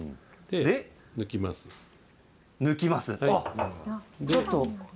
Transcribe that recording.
で、抜きます。